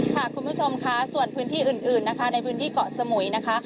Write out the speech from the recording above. คุณผู้ชมค่ะส่วนพื้นที่อื่นนะคะในพื้นที่เกาะสมุยนะคะ